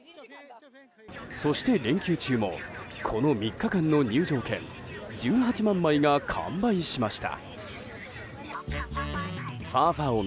そして連休中もこの３日間の入場券１８万枚が完売しました。